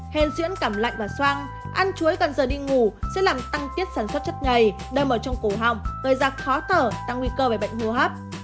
hèn diễn cảm lạnh và xoang ăn chuối gần giờ đi ngủ sẽ làm tăng tiết sản xuất chất ngầy đơm ở trong cổ họng gây ra khó thở tăng nguy cơ về bệnh hô hấp